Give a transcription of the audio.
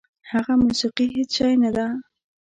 هغه موسیقي هېڅ شی نه ده.